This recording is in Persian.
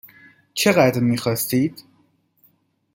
چقدر میخواستید؟